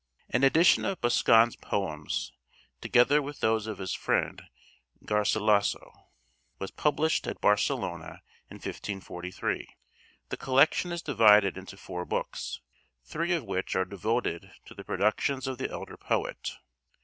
An edition of Boscan's poems, together with those of his friend Garcilaso, was published at Barcelona in 1543. The collection is divided into four books, three of which are devoted to the productions of the elder poet.